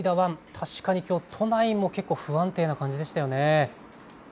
確かにきょう都内も結構、不安定な感じでしたよね。